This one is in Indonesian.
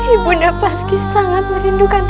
ibu na paski sangat merindukan